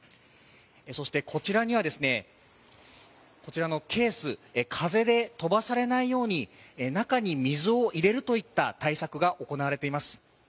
そして、こちらのケース、風で飛ばされないように中に水を入れるといった対策が行われています。